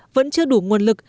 vẫn chưa đủ nguồn lực